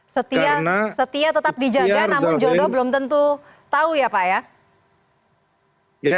setia tetap dijaga namun jodoh belum tentu tahu ya pak ya